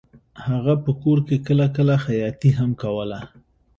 هغه په کور کې کله کله خیاطي هم کوله